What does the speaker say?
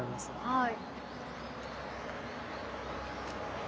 はい。